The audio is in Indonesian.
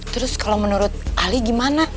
terus kalau menurut ali gimana